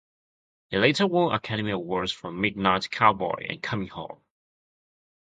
He later won Academy Awards for "Midnight Cowboy" and "Coming Home".